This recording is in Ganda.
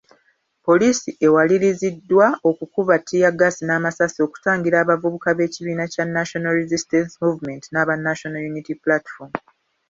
Poliisi ewaliriziddwa okukuba ttiyaggaasi n’amasasi okutangira abavubuka b’ekibiina kya National Resistance Movement n'aba National Unity Platform.